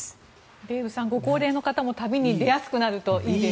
デーブさん、ご高齢の方も旅に出やすくなるといいですね。